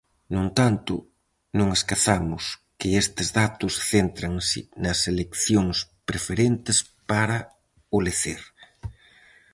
No entanto, non esquezamos que estes datos céntranse nas eleccións preferentes para o lecer.